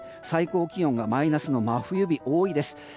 最高気温がマイナスの真冬日が多いです。